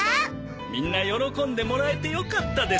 みんな喜んでもらえてよかったです。